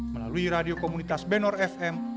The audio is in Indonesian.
melalui radio komunitas benor fm